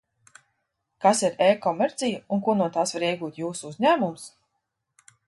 Kas ir e-komercija un ko no tās var iegūt Jūsu uzņēmums?